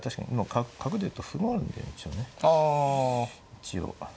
一応。